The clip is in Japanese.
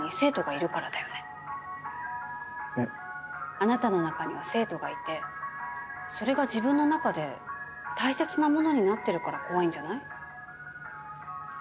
あなたの中には生徒がいてそれが自分の中で大切なものになってるから怖いんじゃない？